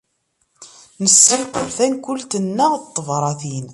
Nessefqed tankult-nneɣ n tebṛatin.